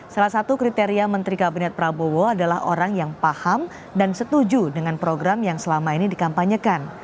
salah satu kriteria menteri kabinet prabowo adalah orang yang paham dan setuju dengan program yang selama ini dikampanyekan